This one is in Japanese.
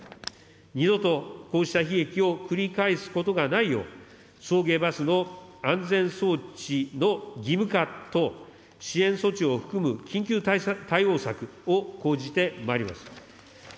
二度とこうした悲劇を繰り返すことがないよう、送迎バスの安全装置の義務化と、支援措置を含む、緊急対応策を講じてまいります。